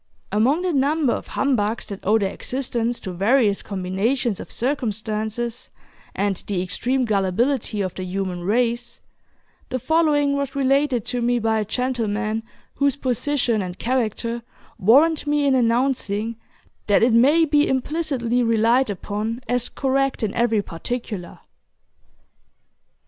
Among the number of humbugs that owe their existence to various combinations of circumstances and the extreme gullibility of the human race, the following was related to me by a gentleman whose position and character warrant me in announcing that it may be implicitly relied upon as correct in every particular.